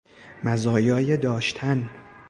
مزایای داشتن